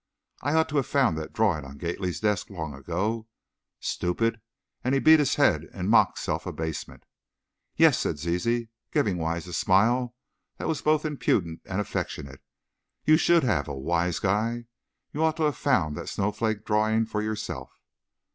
I ought to have found that drawing on Gately's desk long ago! Stoo pid!" and he beat his head in mock self abasement. "Yes," said Zizi, giving Wise a smile that was both impudent and affectionate, "you should have, oh, Wise Guy! You ought to have found that snowflake drawing for yourself."